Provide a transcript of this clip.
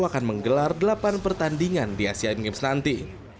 akan menggelar delapan pertandingan di asian games nanti